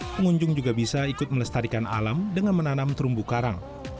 pengunjung juga bisa ikut melestarikan alam dengan menanam terumbu karang